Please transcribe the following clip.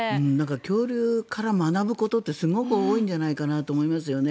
恐竜から学ぶことってすごく多いんじゃないかと思いますよね。